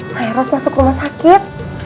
pak eros masuk rumah sakit